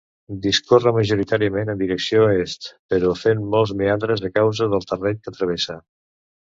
Discorre majoritàriament en direcció est, però fent molts meandres a causa del terreny que travessa.